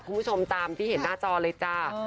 คุณผู้ชมตามที่เห็นหน้าจอเลยจ้า